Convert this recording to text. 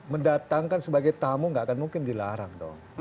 mendatangkan sebagai tamu nggak akan mungkin dilarang dong